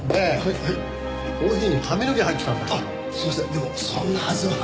でもそんなはずは。